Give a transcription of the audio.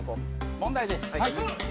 問題です。